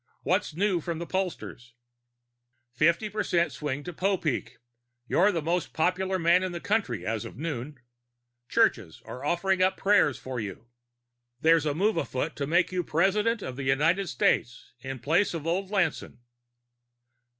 What's new from the pollsters?" "Fifty percent swing to Popeek. You're the most popular man in the country, as of noon. Churches are offering up prayers for you. There's a move afoot to make you President of the United States in place of old Lanson."